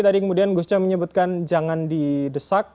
tadi kemudian gusca menyebutkan jangan didesak